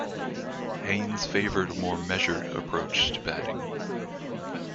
Haynes favoured a more measured approach to batting.